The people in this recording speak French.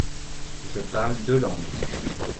Je parle deux langues.